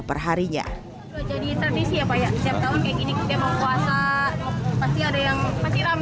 perharinya jadi tradisi apa ya setelah kayak gini kita mau puasa pasti ada yang masih rame kayak